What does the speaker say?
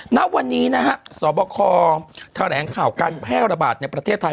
ณวันนี้นะฮะสบคแถลงข่าวการแพร่ระบาดในประเทศไทย